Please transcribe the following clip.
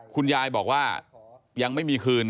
คุณยายบอกว่ายังไม่มีคืน